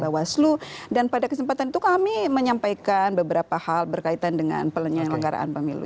bapak baslu dan pada kesempatan itu kami menyampaikan beberapa hal berkaitan dengan pelenyelenggaraan pemilu